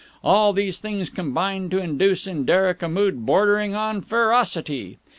All these things combined to induce in Derek a mood bordering on ferocity.